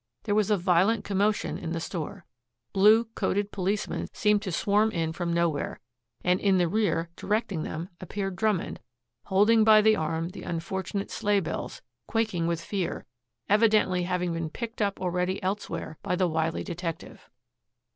There was a violent commotion in the store. Blue coated policemen seemed to swarm in from nowhere. And in the rear, directing them, appeared Drummond, holding by the arm the unfortunate Sleighbells, quaking with fear, evidently having been picked up already elsewhere by the wily detective.